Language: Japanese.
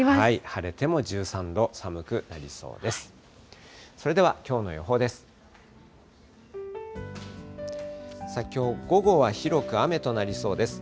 晴れても１３度、寒くなりそうです。